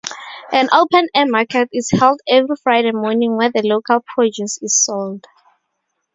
An open-air market is held every Friday morning where the local produce is sold.